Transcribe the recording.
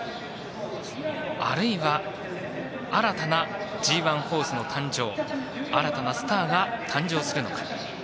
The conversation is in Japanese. あるいは新たなＧＩホースの誕生新たなスターが誕生するのか。